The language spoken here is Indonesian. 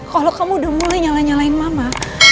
kalau kamu udah mulai nyalah nyalahin mama